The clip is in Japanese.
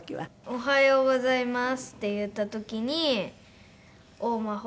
「おはようございます」って言った時に「おお眞秀。